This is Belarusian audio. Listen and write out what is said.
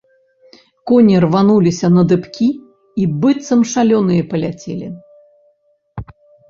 Коні рвануліся на дыбкі і быццам шалёныя паляцелі.